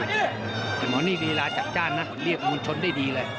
แต่หมอนี่ลีลาจัดจ้านนะเรียกมวลชนได้ดีเลย